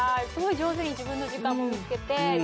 スゴい上手に自分の時間も見つけて